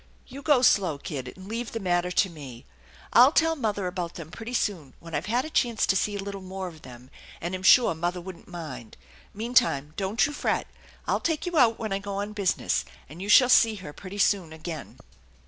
" You go slow, kid, and leave the matter to me. I'll tell mother about them pretty soon when I've had a chance to see a little more of them and am sure mother wouldn't mind. Meantime, don't you fret. I'll take you out when I go on business, and you shall see her pretty soon again."